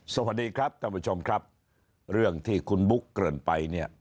สวัสดีครับท่านผู้ชมครับเรื่องที่คุณบุ๊คเกินไปเนี่ย